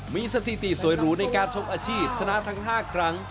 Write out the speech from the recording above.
มีสถิติสวยหรูในการชกอาชีพชนะทั้ง๕ครั้ง